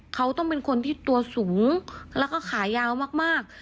เขาต้องเป็นคนที่ตัวสูงแล้วก็ขายาวมาก